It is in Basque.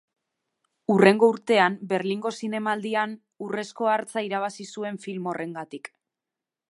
Hurrengo urtean, Berlingo Zinemaldian Urrezko Hartza irabazi zuen film horrengatik.